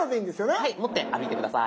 はい持って歩いて下さい。